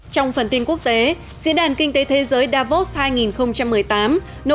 trong phần tin quốc tế diễn đàn kinh tế thế giới davos hai nghìn một mươi tám nỗ lực hàn gắn một thế giới dạn nứt